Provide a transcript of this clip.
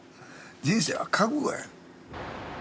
人生は覚悟や。